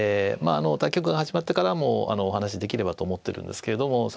対局が始まってからもお話しできればと思ってるんですけれども。